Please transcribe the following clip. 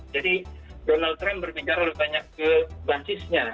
jadi donald trump berbicara lebih banyak ke basisnya